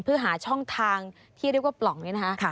เพื่อหาช่องทางที่เรียกว่าปล่องนี้นะคะ